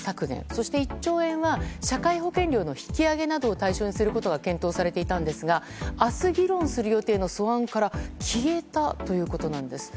そして１兆円は社会保険料の引き上げなどを対象にすることが検討されていたんですが明日議論する予定の素案から消えたというんです。